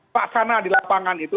pak sana di lapangan itu